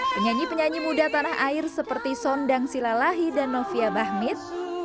penyanyi penyanyi muda tanah air seperti sondang silalahi dan novia bahmit